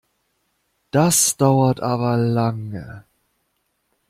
Das dauert aber lange!